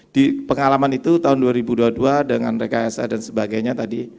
di pengalaman itu tahun dua ribu dua puluh dua dengan rekayasa dan sebagainya tadi